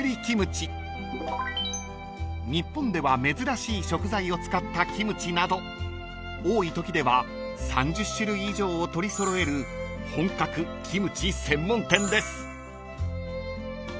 ［日本では珍しい食材を使ったキムチなど多いときでは３０種類以上を取り揃える本格キムチ専門店です］